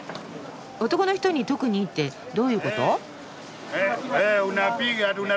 男の人に特にいいってどういうこと？